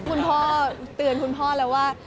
คุณพ่อเตือนคุณพ่อแล้วว่า